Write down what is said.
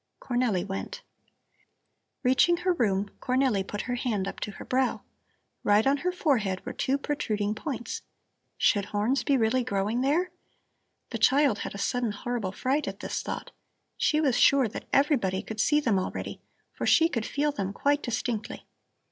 Cornelli went. Reaching her room, Cornelli put her hand up to her brow. Right on her forehead were two protruding points. Should horns be really growing there? The child had a sudden horrible fright at this thought. She was sure that everybody could see them already, for she could feel them quite distinctly.